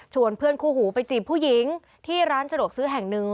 เพื่อนคู่หูไปจีบผู้หญิงที่ร้านสะดวกซื้อแห่งหนึ่ง